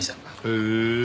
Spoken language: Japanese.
へえ。